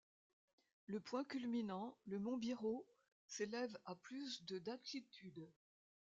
Le point culminant, le mont Biro, s'élève à plus de d'altitude.